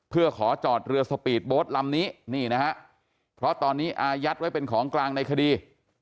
เพื่อขอจอดเรือสปีดโบสต์ลำนี้นี่นะฮะเพราะตอนนี้อายัดไว้เป็นของกลางในคดี